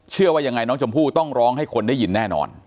เชื่อว่ายังไงน้องชมพู่ต้องร้องให้คนได้ยินแน่นอน